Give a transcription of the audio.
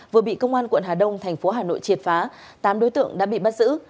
vừa bị công an quận hà đông thành phố hà nội triệt phá tám đối tượng đã bị bắt giữ